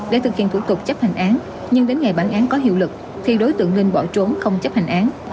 để thực hiện thủ tục chấp hành án nhưng đến ngày bản án có hiệu lực thì đối tượng linh bỏ trốn không chấp hành án